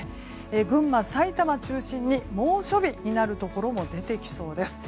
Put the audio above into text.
群馬、埼玉中心に猛暑日になるところも出てきそうです。